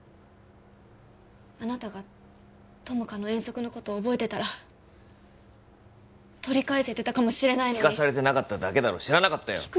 あなたが友果の遠足のこと覚えてたら取り返せてたかもしれないのに聞かされてなかっただけだろ知らなかったよ